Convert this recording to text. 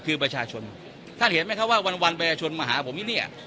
คือประชาชนท่านเห็นไหมครับว่าวันวันประชาชนมาหาผมที่เนี่ย